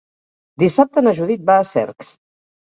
Dissabte na Judit va a Cercs.